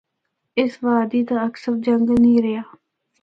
اس وادی دا اکثر جنگل نیں رہیا۔